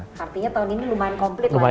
artinya tahun ini lumayan komplit lah